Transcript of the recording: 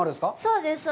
そうです。